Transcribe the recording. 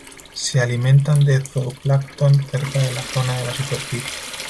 Se alimentan de zooplancton, cerca de la zona de la superficie.